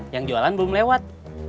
yang jualan belum lewat